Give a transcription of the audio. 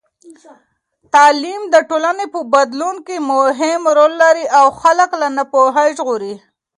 تعلیم د ټولنې په بدلون کې مهم رول لري او خلک له ناپوهۍ ژغوري.